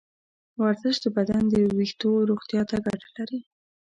ورزش د بدن د ویښتو روغتیا ته ګټه لري.